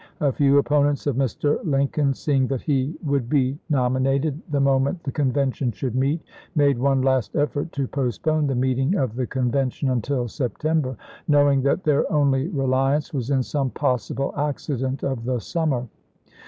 A few opponents of Mr. Lincoln, im. seeing that he would be nominated the moment the Convention should meet, made one last effort to postpone the meeting of the Convention until Sep tember, knowing that their only reliance was in some possible accident of the summer.